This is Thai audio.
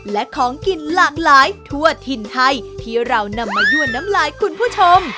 และของกินหลากหลายทั่วถิ่นไทยที่เรานำมายั่วน้ำลายคุณผู้ชม